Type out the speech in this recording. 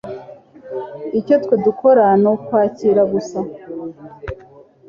icyo twe dukora ni ukwakira gusa".